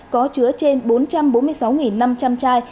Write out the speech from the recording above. có chứa trên bốn trăm bốn mươi sáu năm trăm linh chai